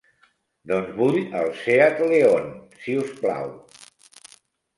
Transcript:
Doncs vull el Seat León, si us plau.